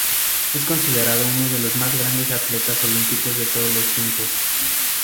Es considerado uno de los más grandes atletas olímpicos de todos los tiempos.